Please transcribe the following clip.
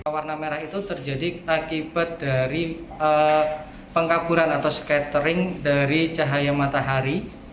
warna merah itu terjadi akibat dari pengkaburan atau scattering dari cahaya matahari